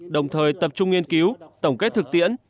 đồng thời tập trung nghiên cứu tổng kết thực tiễn